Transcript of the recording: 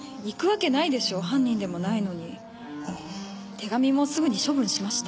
手紙もすぐに処分しました。